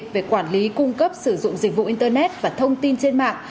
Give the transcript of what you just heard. để giải lý cung cấp sử dụng dịch vụ internet và thông tin trên mạng